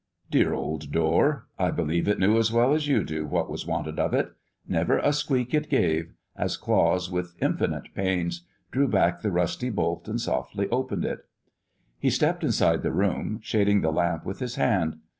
Dear old door I believe it knew, as well as you do, what was wanted of it. Never a squeak it gave, as Claus, with infinite pains, drew back the rusty bolt and softly opened it. He stepped inside the room, shading the lamp with his hand.